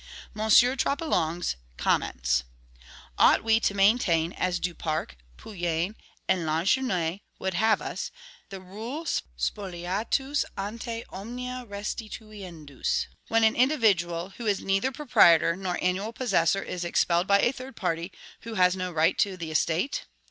M. Troplong's comments: "Ought we to maintain as Duparc, Poullain, and Lanjuinais would have us the rule spoliatus ante omnia restituendus, when an individual, who is neither proprietor nor annual possessor, is expelled by a third party, who has no right to the estate?